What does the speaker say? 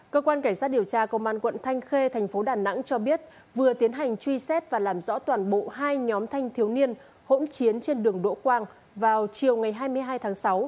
cơ quan cảnh sát điều tra công an quận thanh khê thành phố đà nẵng cho biết vừa tiến hành truy xét và làm rõ toàn bộ hai nhóm thanh thiếu niên hỗn chiến trên đường đỗ quang vào chiều ngày hai mươi hai tháng sáu